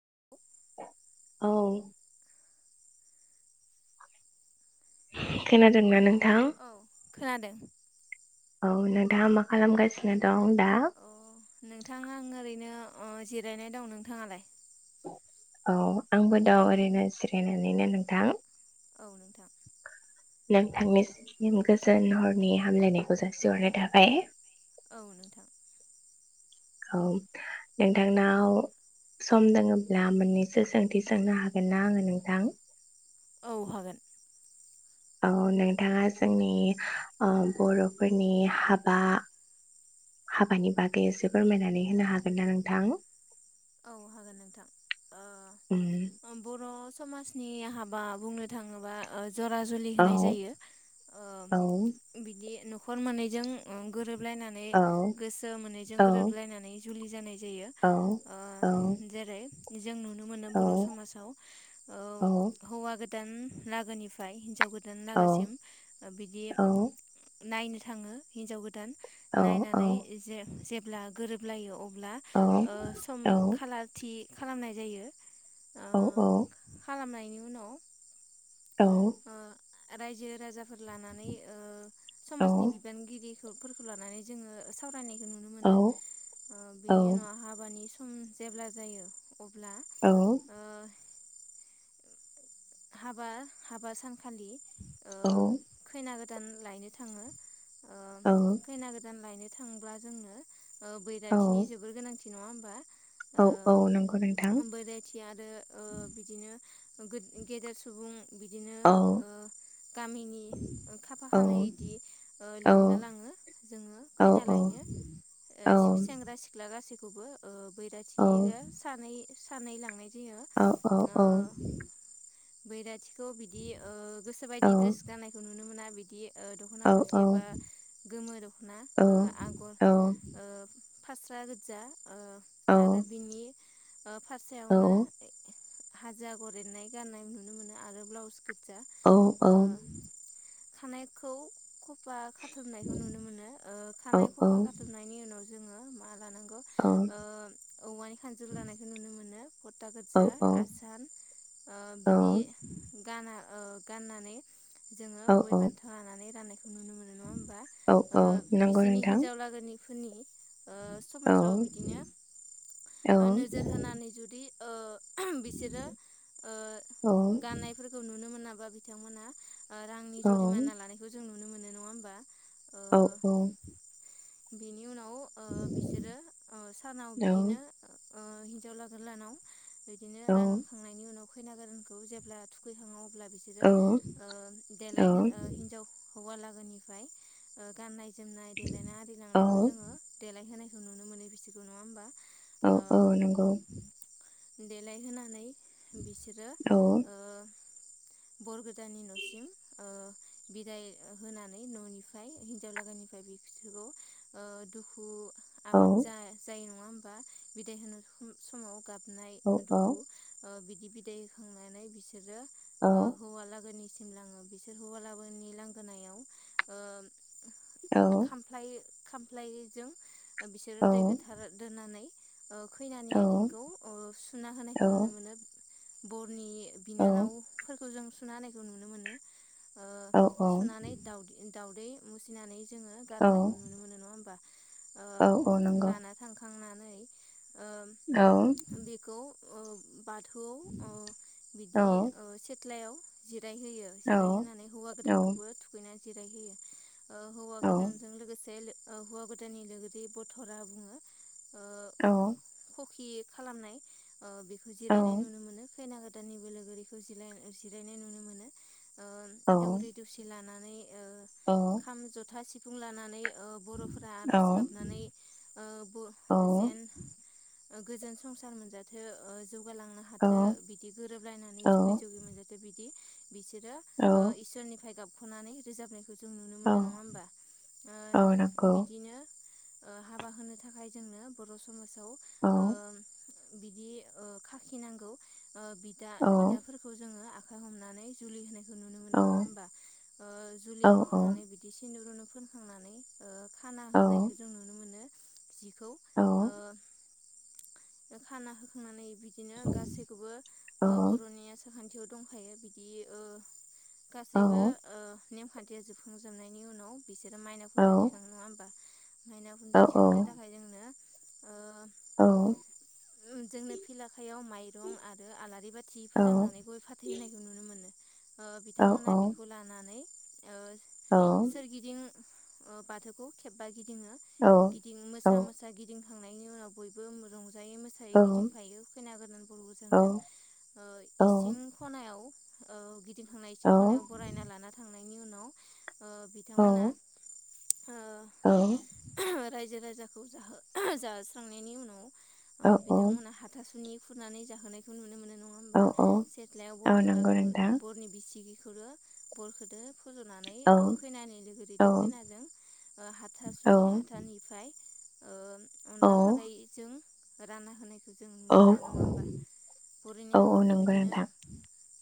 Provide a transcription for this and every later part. [inaudible] औ। खोनादोंना नों थां? खोनादों। औ नोंथाङा मा खालामगासिनो दं दा? नोंथां आं ओरैनो ओ जिरायना दं नोंथांङालाय? औ आंबो दाउ ओरैनो जिरायनानैनो नोंथां। औ नोंथां नोंथांनि गोजोन हरनि हामलायनायखौ जासिहरनाय थाबाय। औ नोंथां औ नोंथांनाव सम दोङोब्ला मोननैसो सोंथि सोंनो हागोन ना आङो नोंथां? औ हागोन। औ नोंथाङा जोंनि ओ बर'फोरनि हाबा हाबानि बागै एसे फोरमायनानै होनो हागोन ना नोंथां? औ हागोन नोंथां उम ओ बर' समाजनि हाबा बुंनो थाङोबा ओ जरा जुलि औ होनाय जायो औ ओ बिदि न'खर माने जों गोरोब लायनानै औ गोसो मोननैजों औ गोरोबलायनानै जुलि जानाय जायो। औ ओ औ जेरै [unintelligible] जों नुनो मोनो बर' औ समाव ओ औ हौवा गोदान लागोनिफ्राय हिनजाव गोदान नंगौ दोनलागोसिम ओ‌ बिदि नोंथां नायनो थांङो हिनजाव गो दान औ औ नायनानै जे ब्ला गोरोबलायो अ अब्ला औ ओ अम औ खालारथि बिदि खालामनाय जायो ओ औ औ खालामनायनि उनाव औ ओ रायजो राजा फोर लानानै ओ समाजनि बिबानगिरि फोरखौ लानानै जोंङो साव नायखो नुनो‌ मोनो ओ बेनि उनाव हाबानि सम जेब्ला जायो अब्ला ओ हाबा हाबा सानखालि ओ औ खैना गोदान लायनो थांङो ओ खैना गोदान लायनो थांब्ला जोंनो ओ औ बैराथिनि जोबोर गोनांथि नंङा होमबा औ औ ओ बैयराथि आरो ओ बिदिनो गोद- गेदेर सुबुं बिदिनो ओ गामिनि खाफा खानै इदि लिंना लांङो जोंङो खैना लायनो सेंग्रा सिख्ला गासै खौबो ओ बैराथि आ सानै सानै लांनाय जायो औ औ औ बैराथि थ' बिदि ओ गोसोबायदि ड्रेस गाननायखौ नुनो मोना बिदि ओ दख'ना थावसि एबा गोमो दख'ना ओ आगर ओ फास्रा गोदजा ओ आरो बिनि फास्रायावनो हाजो आगर एरनाय गान्नाय नुनो मोनो आरो। ब्लावस गोजा ओ खानायखौ खफा। खाथुबनायखौ नुनो मोनो ओ खानाय खफा खाथुबनायनि उनाव जोङो माल। लानांगौ ओ औवानि खानजुर लानायखौ नुनो मोनो फथा गोजा आसान ओ बिदि गाना ओ गाननानै जोङो गय बान्था लानानै राननायखौ नुनो मोनो नङा होमबा ओ नंगौ बिसोरनि नोंथां हिनजाव लागोनि फोरनि ओ समाजाव औ बिदिनो औ नोजोर होनानै जुदि। ओ बिसोरो नंगौ ओ गाननायफोरखौ नुनो मोनाब बा बिथांमोना रांनि औ जुरिमाना लानायखौ जों नु नुनो मोनो नङा होमबा औ औ बिनि उनाव ओ बिसोरो ओ सानाव बिदिनो ओ हिन्जाव लागो लाहानाव बिदिनो रानखांनायनि उनाव उखैना गारानखौ जेब्ला थुखैहां अब्ला बिसोरो देलाय हिनजाव हौवालागोनिफ्राय गाननाय ना आरो जानायखौ जोङो देल दाय होनायखौु मोनो बिसोरखौ नङा होमबा [unintelligible] देलायहोनानै बिसोरो बर गोदानानि न'सिम ओ-बिदाय होनानै न'निफ्राय हिनजाव लागानिफ्राय बिसोरखौ। ओ- दुखु आब जा- जायो [unintelligible] नङा होमबा बिदाय होनो समाव गाब नाय ओ-दुखु ओ- बिदि बिदाय होखांनानै बिसो बिसोरो ओ- हौवालागनि सिम लाङो बिसोर हौवालाबोनि लांगोनायाव ओ- खामफ्लाय खामफ्लायजों ओ-बिसोरो दै गोथार दोननानै। ओ-खैनानि आथिंखौ ओ-सुना होनायखौ नुनो मोनो। बर नि बिनानावफोरखौ जों। सुना हानायखौ नुनो मोनो। ओ-सुनानै दउदि। दावदै मुसिनानै। जोङो गार'नायखौ नुनो मोनो। होमबा। ओ-लाना थांखांनानै। ओम बेखौ अ बाथौ ओ- बिदि ओ-सेथ्लायाव। जिराय होयो जिराय होनानै हौवा गोदानखौबो थुखैनानै। जिरायहोयो ओ-हौवा गोजानजों लोगोसे ओ-हौवा गोदाननि लोगोरि बरधरा बुङो। ओ- औ खि खालामनाय। ओ-बेखौ जिरायनाय नुनो मोनो खैना गो दाननिबो लोगोरिखौ जिरायना-जिरायनायखौ नुनो मोनो। ओ- दौरि दसि लाना ओ-खाम जथा सि सिफुं लानानै बर'फोरा आर'ज गाबनानै जेन गोजोन संसार मोनजाथो जौगालांनो हाथों बिदि गोरोबलायनानै जुगि जुगि मोनजाथों बिदि बिसोरो इसोरनिफ्राय गाब नानै रोजाबनायखौ खौ जों नुनो मोननाय नङा होमबा? बिदिनो हाबा होनो थाखाय जोंनो बर' समाज औ बिदि खाखिनांगौ बिदा बिदाफोरखौ जोङो आ आखाय हमनानै जुलि होनाय खौ नुनो मोनो नङा औ ओमबा ओ जुलि नंगौ होखांनानै बिदि सिनदुर फोनखांनानै खाना नोंथां होनायखौ जों नुनो मोनो। जिखौ औ खाना होखांनानै बि दिनो गासैखौबो बर'नि आसारखान्थियाव दंखायो बिदि औ गासैबो नेम खान्थिया जुफुंजोबनायनि उनाव बिसोर माइनाव खुन्दा दिसन बा माइना हुजा थिखांनो थाखाय जोंनो आ जोंनो फिलाखायाव माइरं आरो आलारि बाथि फोजोंनानै गय फाथै होनायखौ नुनो मोनो बिथांमोनहा बेखौ लानानै सोरगिदिं आ बाथौखौ खेबा गिदिङो गिदिं मोसा मोसा गिदिं थांनायनि उनाव बयबो रंज रंजायै मोसायै गिदिंफायो खैना गोदान बर' गोसानजों इसिं खनायाव औ गि दिखांनाय इसिं खनायाव बरायना लाना थांनाय बेनि उनाव बिथांमोना आ रायजो राजा फुजाखौ जाहो जास्रांनायनि उनाव बिथांमोना हाथासुनि खुरनानै जाहोनायखौ नुनो मोनो नङा औ होमबा सेथ्लायाव औ नंगौ बरथ'राखौ नोंथां बरनि बिसि ग बरखोदो फज'नानै औ खैनानि लोगो दैदो खैनाजों हाथासुनि हाथानिफ्राय अनला खारैजों राना होनाय जों नुनो औ मोनो नङा होमबा बरनि हाबाखौ बिदिनो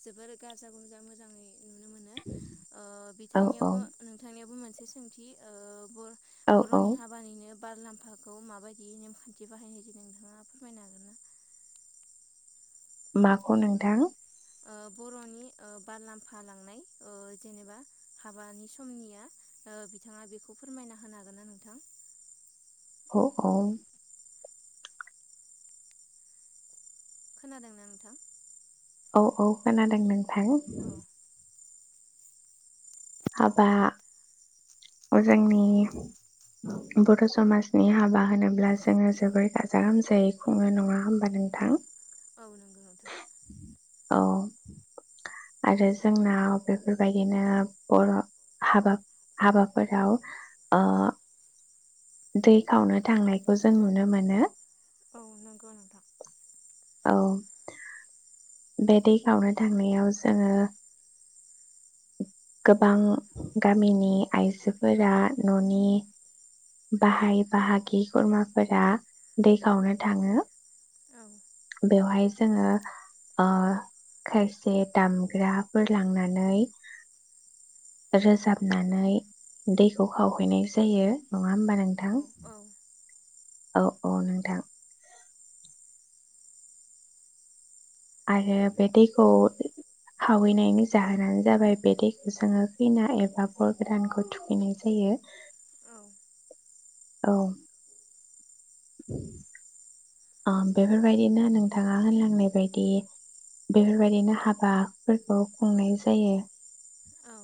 जोबोर गाजा गोमजा मोजाङै नुनो मोनो बिथां नोंथांनि मोन मोनसे सोंथि ओ बर औ औ बर'नि हाबानिनो बार लाम्फाखौ माबायदि नेमखान्थि बाहायनाय जायो नोंथाङा फोरमायनो हागोन ना माखौ नोंथां ओ बर'नि बार लामफा लांनाय जेनेबा हाबानि समनिया बिथाङा बेखौ फोरमायना होनो हागोन ना नोंथां अ आं खोनादोंना नोंथां औ औ खोनादों नों थां औ हाबा जोंनि बर' समाजनि हाबा होनोब्ला जोङो जोबोरै गाजा गोमजायै खुंनो नङा होमबा नोंथां औ नंगौ नोंथां औ आरो जोंनाव बेफोरबायदिनो बर' हाबा हाबाफोराव दै खावनो थांनायखौ जों नुनो मोनो औ नंगौ नोंंथां औ बे दै खावनो थांनायाव जोङो गोबां गामिनि आइजोफोरा न'नि बाहाय बाहागि खुरमाफोरा दै खावनो थाङो औ बेवहाय जोङो ओ खायसे दामग्राफोर लांनानै रोजाबनानै दैखौ खावहैनाय जायो नङा होमबा नोंथां औ औ औ नोंथां आरो बे दैखौ खावहैनायनि जाहोनानो जाबाय बे दैखौ जोङो खैना एबा बर गोदानखौ थुखैनाय औ जायो औ ओ बेफोरबायदिनो नोंथाङा होनलांनाय बायदि बेफोरबायदिनो हाबाफोरखौ खुंनाय जायो औ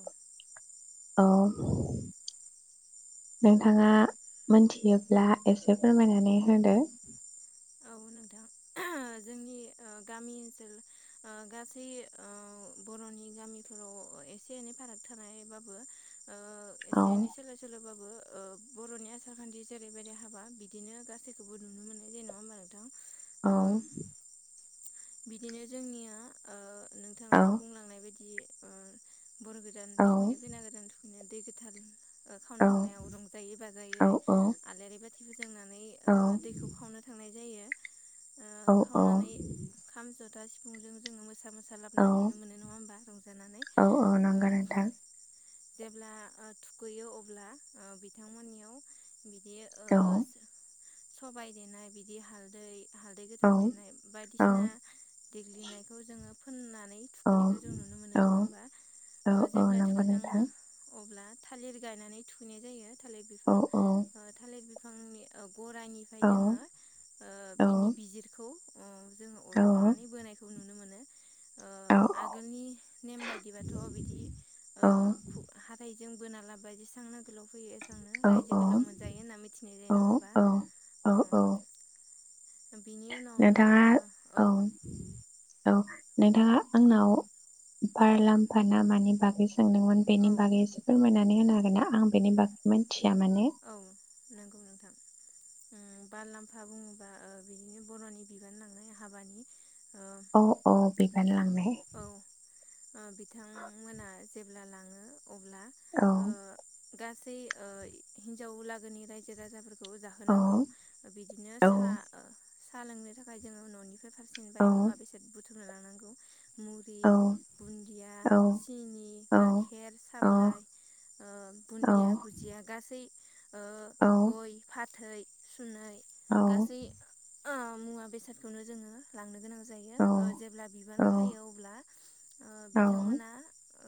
अ नोंथाङा मोनथियोब्ला एसे फोरमायनानै होदो औ नोंथां [unintelligible] जोंनि ओ गामि ओनसोल ओ गासै ओ बर'नि गामिफोराव एसे एनै फाराग थानायबाबो ओ औ एसे एनै सोलाय सोलायसोसल' बाबो ओ बर'नि आसार खान्थि जेरैबायदि हाबा बिदिनो गासैखौबो नुनो मोनो जेन' ओमबा नोंथां औ बिदिनो जोंनिया ओ औ नोंथाङा बुंलांनाय बायदि बि ओ बर गोदान थुखैनो खैना गोदान थुखैनो दै गोथार ओ खावनो औ थांनायाव रंजायै बाजायै औ आलारि बाथि जोंनानै ओ दैखौ औ खावनो थांनाय जायो ओ औ खावनानै औ खाम ज था सिफुं जोङो मोसा मो सा औ लाबोननाय नुनो मोनो नङा होमबा रंजानानै औ औ ओ नंगौ नोंथां जेब्ला थुखैयो अब्ला बिथांमोननियाव बिदि ओ औ सबाइ दे नाय बि दि हालदै हालदै औ गोथां देनाय बायदिसिना देग्लिनायखौ जोङो फोनना औ औ ओ औ औ जेब्ला नंगौ थुखैखाङो नोंथां अब्ला थालिर गायनानै थुखैनाय जायो थालिर औ बिफां औ ओ थालिर बि फांनि ओ औ गरानिफ्राय जोङो ओ औ बिनि बिजिरखौ ओ जोङो औ अरख'नानै बोनायखौ नुनो मोनो ओ औ आगोलनि नेम बायदिबाथ' ओ बिदि हाथाय जों बोना लाबोबाय बेसांनो गोलाव फैयो एसबांनो रायजो गोलाव मोनजायो होनना मिथिनाय औ जायो नङा होमबा औ ओ औ बिनि उनावनो नोंथाङा ओ औ औ नोंथाङा आंनाव फारलाम्फा ना मानि बागै सोंदोंमोन औ बेनि बागैसे फोरमायना नै हागोन आं बेनि बै मोनथि औ नंगौ नोंथां उम बारलाम्फा बुङोबा ओ बिदिनो बर'नि बिबान लांनाय हाबानि ओ अ अ बिबान लांबाय औ ओ बिथांमोना जेब्ला लाङो अब्ला औ ओ गासै ओ हिनजाव लागोनि रायजो राजाफोर खौ औ जाहोनांगौ बिदिनो औ सा साहा लोंनो थाखाय जोङो न'नि फोर औ फारसिनबाय मुवा बेसाद बुथु ना लानांगौ मुरि औ बुन्दिया सिनि औ गाइखेर औ साबलाइ ओ नंगौ बुन्दिया भुदिया जै ओ औ गय फाथै सुनानै औ गासै मुवा बेसादखौनो जोङो लांनो गोनां औ जायो जेब्ला बिबान औ खायो अब्ला ओ उम बिथांमोना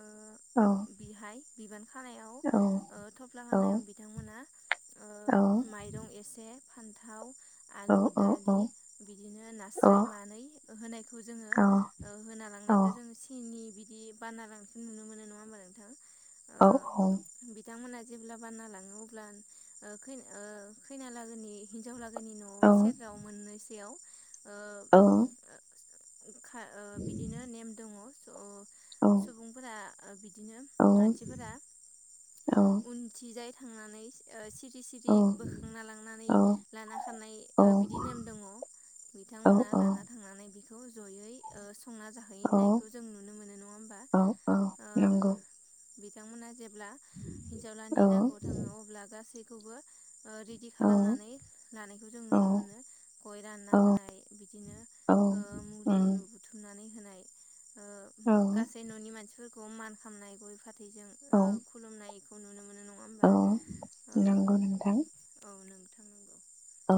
ओ बिहाय बिबान खानायाव ओ हानायाव बिथांमोना माइरं एसे फान्थाव आलु दालि बिदिनो नास्राय मानै होनायखौ जोङो ओ होना लांनायखौ जोङो सिनि बि बिदि बाना लांसिन नुनो मोनो नङा होमबा नोंथां ओ औ औ बिथांमोना जेब्ला बाना लाङो अब्ला ओ खैना ओ खैनालागोनि हिनजावला लोगोनि न'आव सेरायाव मोननैसो याव ओ खा ओ बिदिनो नेम दङ अ' सुबुंफोरा आ बि बिदिनो मानसिफोरा मिथिजाय थांनानै ओ सिर सिथि सिरि बोखांना लांनानै लाना खारनाय ओ बिदि नेम औ दङ बिथांमोना लाना औ थांनानै बि ज ' जयै संना जाहैनायखौ जों नुनो मोनो नङा होमबा ओ बिथांमोना जे ब्ला हिनजावलानि लागोआव थाङो अब्ला गासै गबो ओ रेडि खालामनानै लानायखौ जों नुनो मोनो गय रानना होनाय बिदिनो ओ मुरि उनु बुथुमनानै होनाय गासै न'नि मानसिफोरखौ मान खालामामनाय गय जों ओ खुलुमनाय औ नंगौ नोंथां औ नोंथां नंगौ औ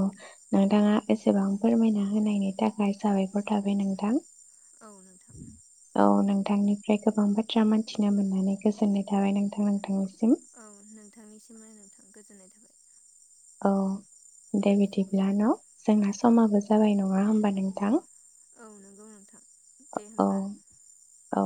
नोंथाङा एसेबां फोरमायना होनायनि थाखाय साबायखर थाबाय नोंथां औ नों नोंथांनिफ्राय गोबां बाथ्रा मोनथिनो मोननानै गोजोननाय थाबाय नोंथां नोंथांनिसिम औ नोंथांनिसिम नोंथां गोजोननाय थ औ दे बिदिब्ला न' जोंना औ समाबो जाबाय नङा होमबा नों थां औ नंगौ नोंथां दे औ होनबा औ